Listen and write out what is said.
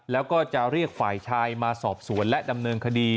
แล้วก็จะเรียกฝ่ายชายมาสอบสวนและดำเนินคดี